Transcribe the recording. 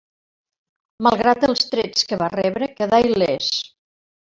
Malgrat els trets que va rebre, quedà il·lès.